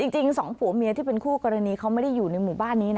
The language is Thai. จริงสองผัวเมียที่เป็นคู่กรณีเขาไม่ได้อยู่ในหมู่บ้านนี้นะ